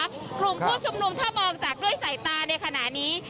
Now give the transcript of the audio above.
กลุ่มผู้ชุมนุมถ้ามองจากด้วยสายตาในขณะนี้